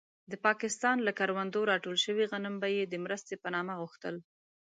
د پاکستان له کروندو راټول شوي غنم به يې د مرستې په نامه غوښتل.